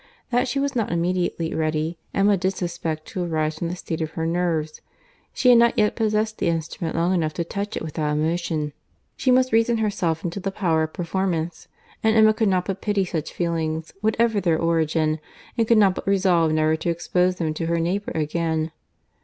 That she was not immediately ready, Emma did suspect to arise from the state of her nerves; she had not yet possessed the instrument long enough to touch it without emotion; she must reason herself into the power of performance; and Emma could not but pity such feelings, whatever their origin, and could not but resolve never to expose them to her neighbour again.